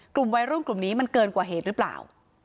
กลุ่มวัยรุ่นกลุ่มนี้มันเกินกว่าเหตุหรือเปล่า